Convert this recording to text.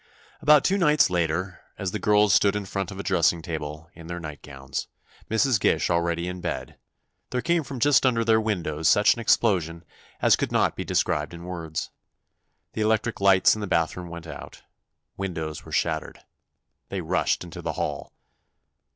About two nights later, as the girls stood in front of a dressing table, in their nightgowns—Mrs. Gish already in bed—there came from just under their windows such an explosion as could not be described in words. The electric lights in the bathroom went out—windows were shattered. They rushed into the hall.